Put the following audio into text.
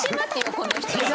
この人！